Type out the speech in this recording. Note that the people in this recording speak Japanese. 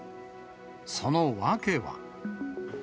その訳は。